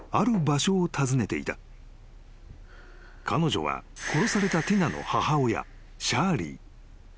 ［彼女は殺されたティナの母親シャーリー］